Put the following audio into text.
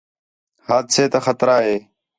حادثے تا خطرہ ہِے